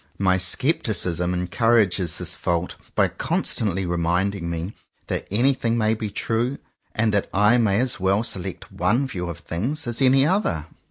My scepticism en courages this fault by constantly reminding me that anything may be true, and that I may as well select one view of things as any other.